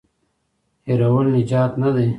هېرول نجات نه دی.